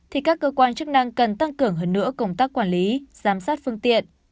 thì các cơ quan chức năng cần tăng cường hơn nữa công tác quản lý giám sát phương tiện